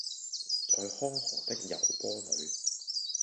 在康河的柔波裡